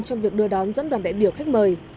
trong việc đưa đón dẫn đoàn đại biểu khách mời